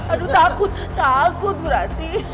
aduh takut takut buranti